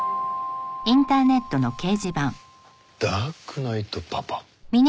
「ダークナイト・パパ」